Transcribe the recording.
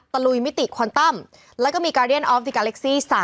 ลุยมิติควันตั้มแล้วก็มีการเรียนออฟติกาเล็กซี่